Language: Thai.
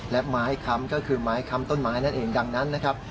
และไม้ค้ำก็คือไม้ค้ำต้นไม้นั่นเองดังนั้นนะครับ